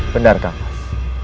benar kan mas